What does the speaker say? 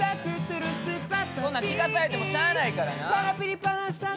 そんなん聴かされてもしゃあないからな。